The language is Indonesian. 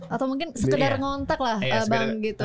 atau mungkin sekedar ngontak lah